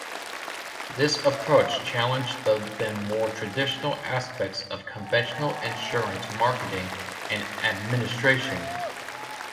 This approach challenged the then more traditional aspects of conventional insurance marketing and administration.